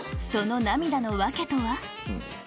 その涙の訳とは？